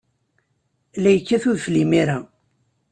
La yekkat udfel imir-a.